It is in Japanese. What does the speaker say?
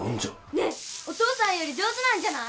・ねえお父さんより上手なんじゃない？